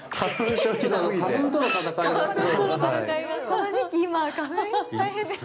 この時期、今、花粉、大変ですね。